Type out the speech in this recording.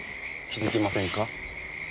気づきませんか？